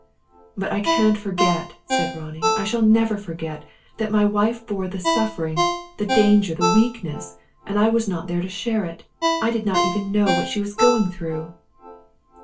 "But I can't forget," said Ronnie "I shall never forget that my wife bore the suffering, the danger, the weakness, and I was not there to share it. I did not even know what she was going through."